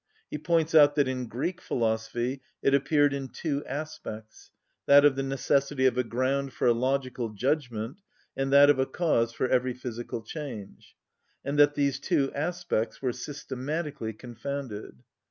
He points out that in Greek philosophy it appeared in two aspects—that of the necessity of a ground for a logical judgment, and that of a cause for every physical change—and that these two aspects were systematically confounded.